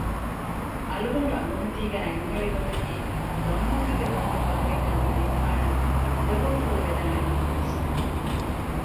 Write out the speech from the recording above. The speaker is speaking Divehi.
އަޅުގަނޑު އަނގަމަތީގައި އަތްއެޅިގޮތަކީ ލޮނުމެދުގެ ވަހުން ފަހަރެއްގައި މަނިކުފާނަށް އުނދަގޫފުޅު ވެދާނެކަމަށް ވިސްނައިފަ